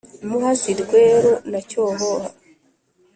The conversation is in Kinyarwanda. muhazi, rweru na cyohoha,